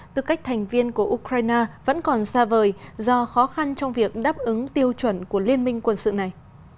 tư cách thành viên của ukraine vẫn còn xa vời do khó khăn trong việc đáp ứng tiêu chuẩn của liên minh quân sự này